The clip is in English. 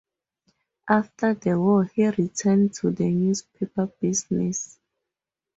After the war he returned to the newspaper business.